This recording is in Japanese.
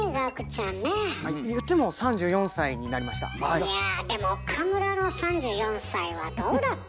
いやでも岡村の３４歳はどうだった？